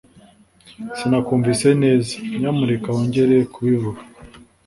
Sinakumvise neza. Nyamuneka wongeye kubivuga?